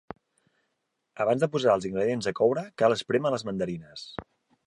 Abans de posar els ingredients a coure, cal esprémer les mandarines.